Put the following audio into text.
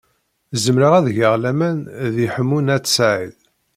Zemreɣ ad geɣ laman deg Ḥemmu n At Sɛid.